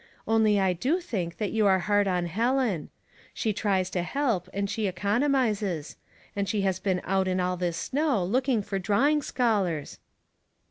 Only I do think that you are hard on Helen. She tries to help, and she economizes ; and she has been out in all this snow, looking for drawing scholars.'